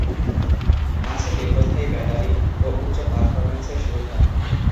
আছে দীর্ঘস্থায়ী ব্যাটারি ও উচ্চ পারফরমেন্সের সুবিধা।